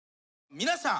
皆さん。